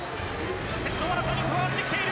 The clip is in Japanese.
先頭争いに加わってきている。